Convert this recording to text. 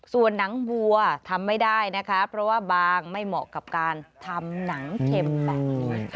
ส่วนหนังวัวทำไม่ได้นะคะเพราะว่าบางไม่เหมาะกับการทำหนังเข็มแบบนี้ค่ะ